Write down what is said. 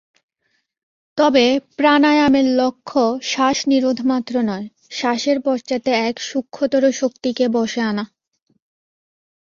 তবে প্রাণায়ামের লক্ষ্য শ্বাস-নিরোধ মাত্র নয়, শ্বাসের পশ্চাতে এক সূক্ষ্মতর শক্তিকে বশে আনা।